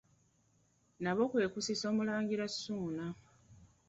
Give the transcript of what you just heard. Nabo kwe kusisa Omulangira Ssuuna.